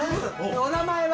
お名前は？